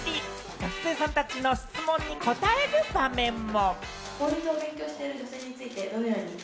学生さんたちの質問に答える場面も。